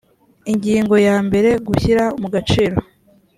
ingingo ya mbere gushyira mu gaciro